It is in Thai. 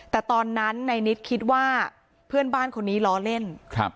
แต่ตอนนั้นในนิดคิดว่าเพื่อนบ้านคนนี้ล้อเล่น